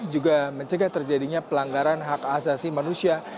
juga mencegah terjadinya pelanggaran hak asasi manusia